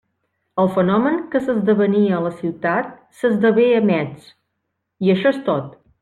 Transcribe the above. El fenomen que s'esdevenia a la ciutat s'esdevé a Metz, i això és tot.